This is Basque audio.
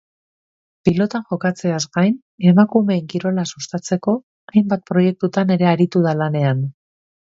Pilotan jokatzeaz gain, emakumeen kirola sustatzeko hainbat proiektutan ere aritu da lanean.